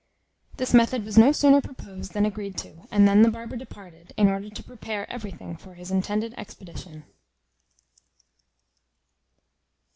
This method was no sooner proposed than agreed to; and then the barber departed, in order to prepare everything for his intended expedition.